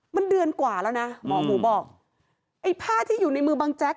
มันเดือนกว่าแล้วนะหมอหมูบอกไอ้ผ้าที่อยู่ในมือบังแจ๊ก